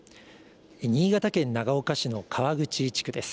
新潟県長岡市の川口地区です。